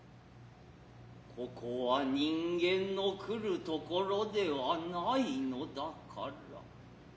此処は人間の来る処ではないのだから。